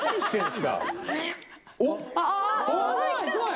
すごい！